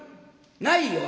ないよ